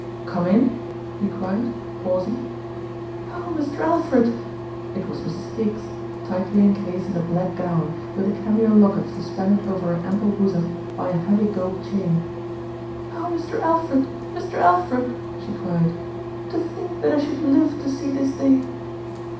"Come in," he cried, pausing. "Oh, Mr. Alfred!" It was Mrs. Higgs, tightly encased in a black gown, with a cameo locket suspended over her ample bosom by a heavy gold chain. "Oh, Mr. Alfred, Mr. Alfred!" she cried. "To think that I should live to see this day."